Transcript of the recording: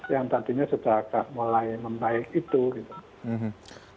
yang tadinya sudah mulai membaik itu gitu